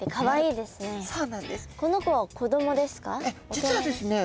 実はですねへえ。